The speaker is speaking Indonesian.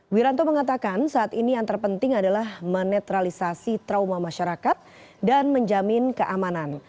wiranto mengatakan saat ini yang terpenting adalah menetralisasi trauma masyarakat dan menjamin keamanan